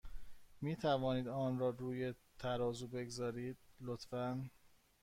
می توانید آن را روی ترازو بگذارید، لطفا؟